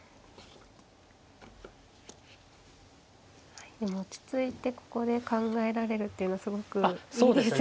はい落ち着いてここで考えられるっていうのはすごくいいですよね。